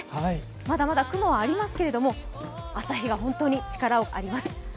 まだまだ雲がありますけど朝日が本当に力があります。